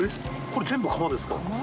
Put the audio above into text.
これ全部カマですか？